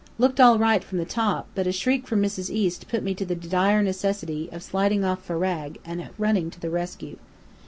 Looked all right from the top; but a shriek from Mrs. East put me to the dire necessity of sliding off Farag and running to the rescue.